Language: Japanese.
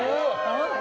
本当？